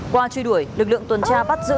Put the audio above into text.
qua truy đuổi lực lượng tuần tra bắt giữ